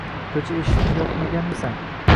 ko'cha eshikni yopganmisan?